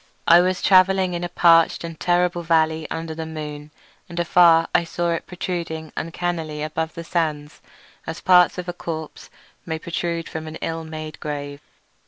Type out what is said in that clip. I was travelling in a parched and terrible valley under the moon, and afar I saw it protruding uncannily above the sands as parts of a corpse may protrude from an ill made grave.